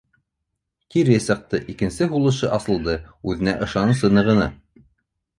Тире сыҡты, икенсе һулышы асылды, үҙенә ышанысы нығыны.